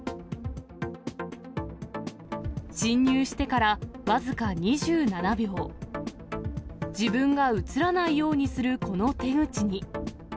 侵入してから僅か２７秒、自分が写らないようにするこの手口に。